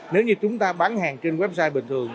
nếu như chúng ta bán hàng trên website bình thường